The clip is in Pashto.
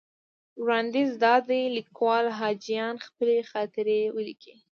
وړاندیز دا دی لیکوال حاجیان خپلې خاطرې ولیکي.